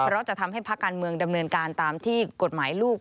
เพราะจะทำให้ภาคการเมืองดำเนินการตามที่กฎหมายลูก